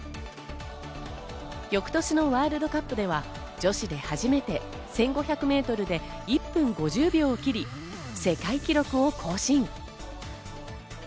翌年のワールドカップでは、女子でで初めて１５００メートルで１分５０秒を切り、世界記録を更新。